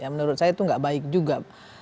menurut saya itu nggak baik juga